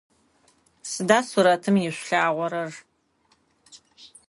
Сыда сурэтым ишъулъагъорэр?